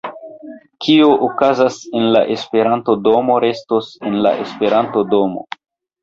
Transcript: Kio okazas en la Esperanto-domo, restos en la Esperanto-domo